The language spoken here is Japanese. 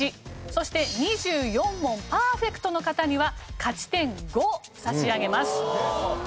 そして２４問パーフェクトの方には勝ち点５差し上げます。